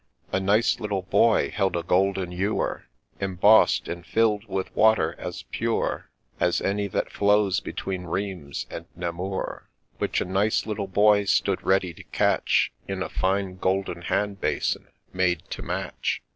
A nice little boy held a golden ewer, Emboss'd and fill'd with water, as pure As any that flows between Rheims and Namur, Which a nice little boy stood ready to catch In a fine golden hand basin made to match.